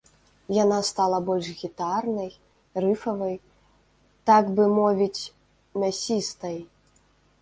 Яна стала больш гітарнай, рыфавай, так бы мовіць, мясістай.